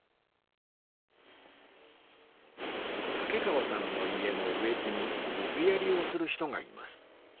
竹川さんの家の植木に水やりをする人がいます